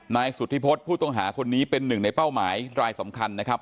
นายสุธิพฤษผู้ต้องหาคนนี้เป็นหนึ่งในเป้าหมายรายสำคัญนะครับ